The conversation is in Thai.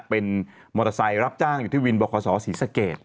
เป็นมอเตอร์ไซค์รับจ้างอยู่ที่วินบคศศรีสะเกด